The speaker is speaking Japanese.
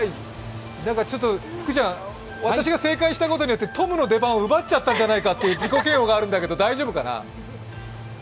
ちょっと福ちゃん、私が正解したことによってトムの出番を奪っちゃったんじゃないかという自己嫌悪があるんだけど大丈夫かな？